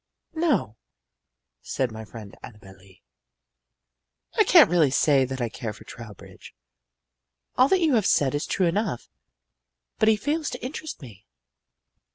"No," said my friend Annabel Lee, "I can't really say that I care for Trowbridge. All that you have said is true enough, but he fails to interest me."